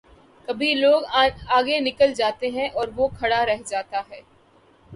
کبھی لوگ آگے نکل جاتے ہیں اور وہ کھڑا رہ جا تا ہے۔